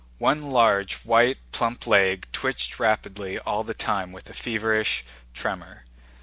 One large, white, plump leg twitched rapidly all the time with a feverish tremor.